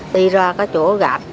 tuy ra có chỗ gạch